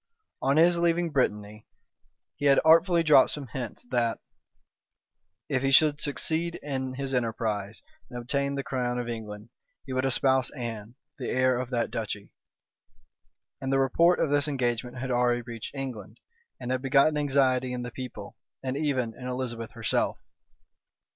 On his leaving Brittany, he had artfully dropped some hints that, if he should succeed in his enterprise, and obtain the crown of England, he would espouse Anne, the heir of that duchy; and the report of this engagement had already reached England, and had begotten anxiety in the people, and even in Elizabeth herself.